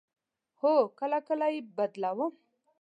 هو، کله کله یی بدلوم